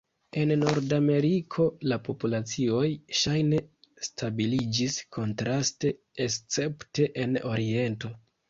En Nordameriko la populacioj ŝajne stabiliĝis kontraste, escepte en oriento.